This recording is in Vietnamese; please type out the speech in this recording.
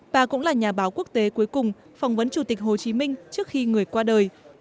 bà cũng là nhà báo quốc tế cuối cùng phỏng vấn chủ tịch hồ chí minh trước khi người qua đời